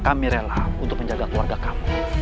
kami rela untuk menjaga keluarga kami